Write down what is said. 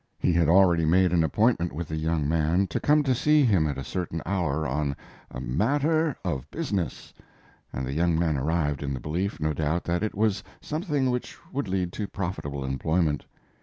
He had already made an appointment with the young man to come to, see him at a certain hour on a "matter of business," and the young man arrived in the belief, no doubt, that it was something which would lead to profitable employment.